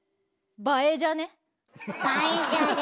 「映えじゃね？」。